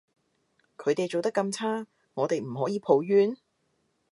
佢哋做得咁差，我哋唔可以抱怨？